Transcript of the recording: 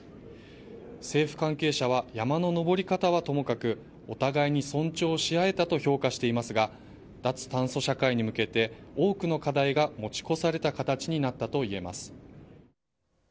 政府関係者は山の登り方はともかくお互いに尊重し合えたと評価していますが脱炭素社会に向けて多くの課題が持ち越された形になったといえます。